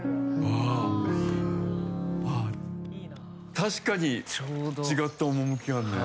確かに違った趣があるね。